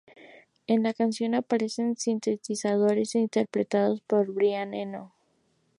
En la canción aparecen sintetizadores interpretados por Brian Eno.